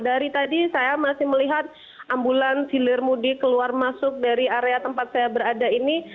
dari tadi saya masih melihat ambulans hilir mudik keluar masuk dari area tempat saya berada ini